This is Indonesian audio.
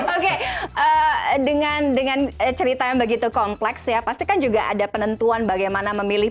oke dengan cerita yang begitu kompleks ya pasti kan juga ada penentuan bagaimana memilih